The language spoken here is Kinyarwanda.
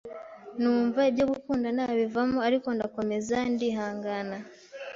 numva ibyo gukunda nabivamo ariko ndakomeza ndihangana,